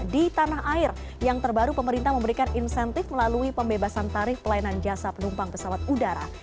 di tanah air yang terbaru pemerintah memberikan insentif melalui pembebasan tarif pelayanan jasa penumpang pesawat udara